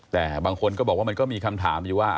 แต่บางคนก็บอกว่ามันก็มีคำถามอยู่ว่า